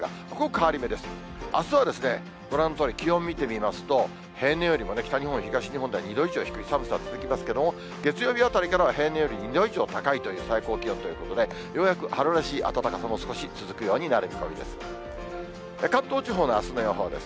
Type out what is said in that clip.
あすはご覧のとおり、気温見てみますと、平年よりも北日本、東日本では２度以上低い寒さ続きますけれども、月曜日あたりからは平年より２度以上高いという最高気温ということで、ようやく春らしい暖かさも少し続くようになる見込みです。